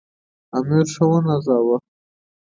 امیر ښه ونازاوه.